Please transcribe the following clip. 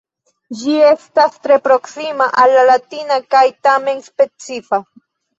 Ĝi estas tre proksima al la latina kaj tamen specifa.